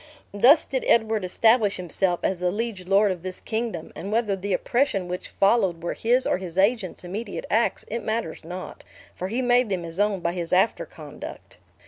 "Thus did Edward establish himself as the liege lord of this kingdom; and whether the oppresion which followed were his or his agents' immediate acts, it matters not, for he made them his own by his after conduct.